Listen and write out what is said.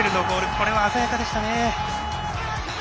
これは鮮やかでしたね。